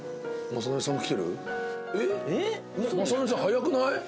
雅紀さん早くない？